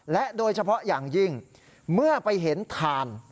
และโดยเฉพาะอย่างยิ่งเมื่อไปเห็นถ่าน